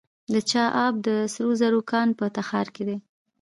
د چاه اب د سرو زرو کان په تخار کې دی.